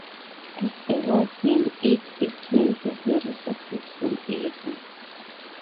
As a war game it isn't very successful either.